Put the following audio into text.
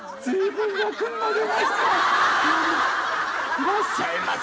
いらっしゃいませ。